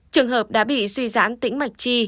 trường hợp đã bị suy giãn tĩnh mạch chi